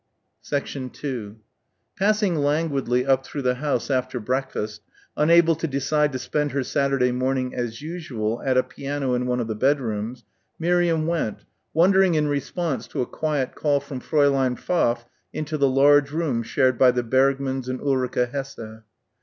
2 Passing languidly up through the house after breakfast, unable to decide to spend her Saturday morning as usual at a piano in one of the bedrooms, Miriam went, wondering in response to a quiet call from Fräulein Pfaff into the large room shared by the Bergmanns and Ulrica Hesse.